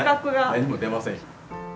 何も出ませんよ。